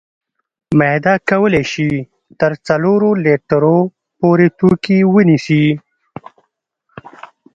معده کولی شي تر څلورو لیترو پورې توکي ونیسي.